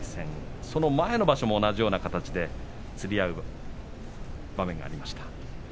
その前の場所も同じようにつり合う場面がありました。